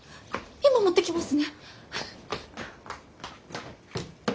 今持ってきますね。